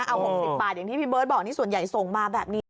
เอา๖๐บาทอย่างที่พี่เบิร์ตบอกนี่ส่วนใหญ่ส่งมาแบบนี้